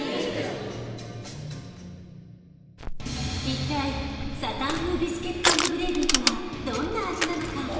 一体サタン風ビスケット＆グレイビーとはどんな味なのか？